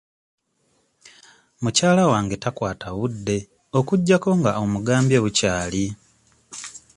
Mukyala wange takwata budde okuggyako nga omugambye bukyali.